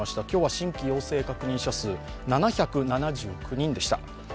今日は新規陽性確認者数７７９人でした。